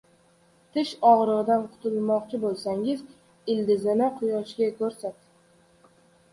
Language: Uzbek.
• Tish og‘rig‘idan qutulmoqchi bo‘lsang, ildizini Quyoshga ko‘rsat.